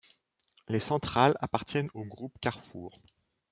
Les centrales appartiennent au Groupe Carrefour.